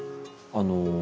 あの。